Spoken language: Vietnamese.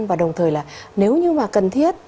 và đồng thời là nếu như mà cần thiết